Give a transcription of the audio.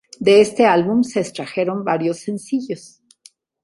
De este álbum se extrajeron varios sencillos.